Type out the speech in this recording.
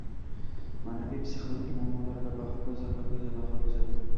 ma’naviy-psixologik muammolar va hokazo va hokazo va hokazo...